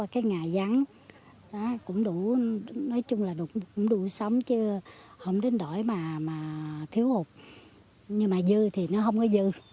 chứ không đến đổi mà thiếu hụt nhưng mà dư thì nó không có dư